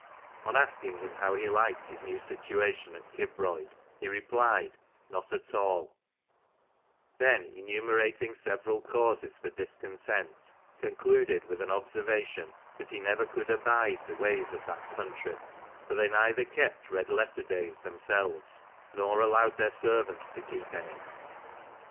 On asking him how be liked his new situation at Kibroid, he replied, " Not at all;" then, enumerating several causes for discontent, concluded with an observa tion, that " he never could abide the ways of that country, for they neither kept red letter days themselves nor allowed their servants to keep any."